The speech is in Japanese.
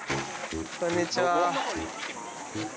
こんにちは。